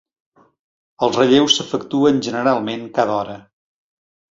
Els relleus s'efectuen generalment cada hora.